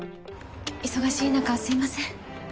忙しい中すいません。